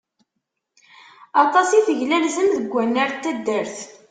Aṭas i teglalzem deg wannar n taddart.